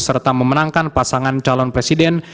serta memenangkan pasangan calon presiden